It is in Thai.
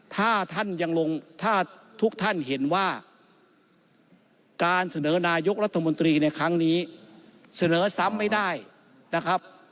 ถ้าท่านยังลงถ้าทุกท่านเห็นว่าการเสนอนายกรัฐมนตรีในครั้งนี้เสนอซ้ำไม่ได้นะครับ